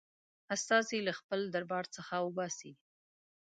استازی له خپل دربار څخه وباسي.